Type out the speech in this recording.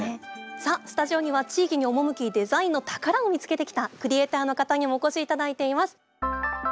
さあスタジオには地域に赴きデザインの宝を見つけてきたクリエーターの方にもお越し頂いています。